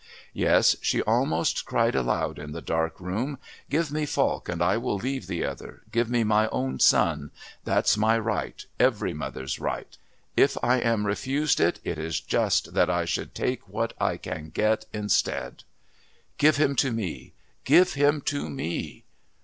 Yes, she almost cried aloud in the dark room. "Give me Falk and I will leave the other. Give me my own son. That's my right every mother's right. If I am refused it, it is just that I should take what I can get instead." "Give him to me! Give him to me!"